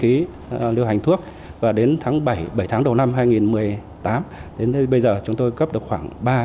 ký lưu hành thuốc và đến tháng bảy bảy tháng đầu năm hai nghìn một mươi tám đến bây giờ chúng tôi cấp được khoảng